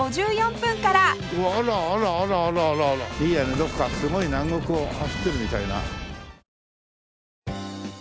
どこかすごい南国を走ってるみたいな。